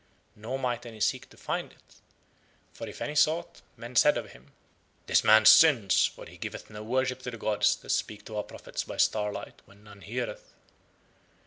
Nor might any seek to find it, for if any sought men said of him: "This man sins, for he giveth no worship to the gods that speak to our prophets by starlight when none heareth."